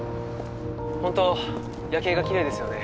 本当夜景がきれいですよね。